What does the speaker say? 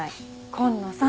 紺野さん。